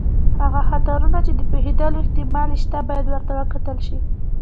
هغه خطرونه چې د پېښېدلو احتمال یې شته، باید ورته وکتل شي.